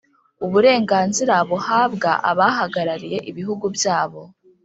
uburenganzira buhabwa abahagarariye ibihugu byabo